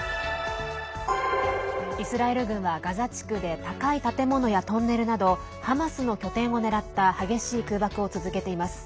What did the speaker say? イスラエル軍はガザ地区で高い建物やトンネルなどハマスの拠点を狙った激しい空爆を続けています。